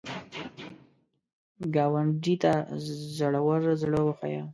ګاونډي ته زړور زړه وښیه